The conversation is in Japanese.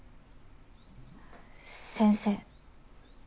先生？